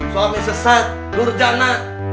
suami sesat nurjana